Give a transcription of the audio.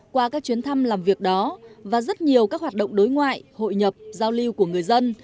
qua các chuyến thăm làm việc đó và rất nhiều các hoạt động đối ngoại hội nhập giao lưu của người dân